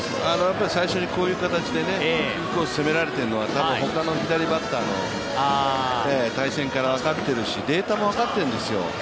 こういう形でインコース攻められているのは多分ほかの左バッターの対戦から分かってるし、データも分かってるんですよ。